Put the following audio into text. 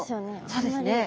そうですね。